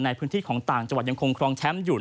ในพื้นที่ของต่างจังหวัดยังคงครองแชมป์อยู่